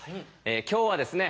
今日はですね